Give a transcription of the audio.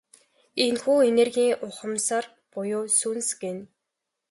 Энэхүү энергийг ухамсар буюу сүнс гэнэ.